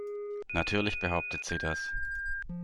Natürlich behauptet sie das.